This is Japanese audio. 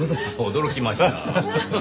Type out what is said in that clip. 驚きました。